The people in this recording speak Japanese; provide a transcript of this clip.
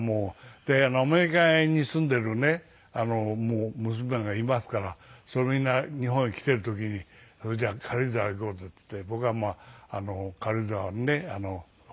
でアメリカに住んでいるね娘がいますからそれが日本へ来ている時にそれじゃあ軽井沢へ行こうっていって僕はまあ軽井沢のねホテル泊まって。